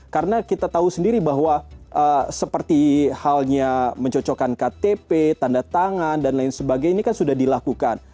karena kita tahu sendiri bahwa seperti halnya mencocokkan ktp tanda tangan dan lain sebagainya ini kan sudah dilakukan